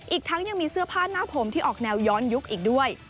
อีกทั้งยังมีเสื้อผ้าหน้าผมที่ออกแนวย้อนยุคอีกด้วย